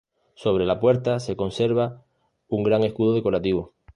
Sobre la puerta se conserva un gran escudo decorativo.